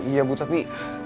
iya bu tapi